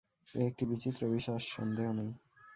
এ একটি বিচিত্র বিশ্বাস সন্দেহ নেই।